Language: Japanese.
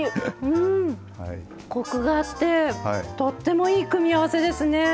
コクがあってとってもいい組み合わせですね。